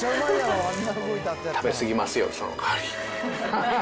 食べ過ぎますよ、その代わり。